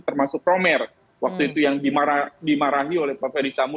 termasuk romer waktu itu yang dimarahi oleh pak ferdisambo